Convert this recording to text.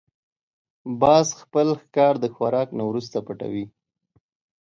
باز خپل ښکار د خوراک نه وروسته پټوي